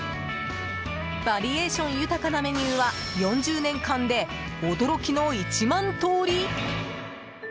バリエーション豊かなメニューは４０年間で驚きの１万通り？